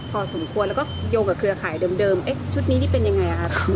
พอสมควรแล้วก็โยงกับเครือข่ายเดิมชุดนี้นี่เป็นยังไงครับ